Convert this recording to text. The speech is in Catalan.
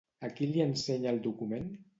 A qui li ensenya el document?